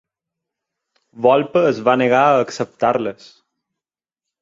Volpe es va negar a acceptar-les.